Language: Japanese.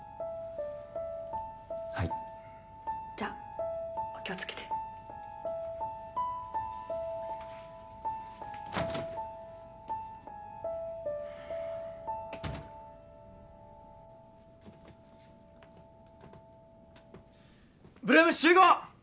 はいじゃあお気をつけて８ＬＯＯＭ集合！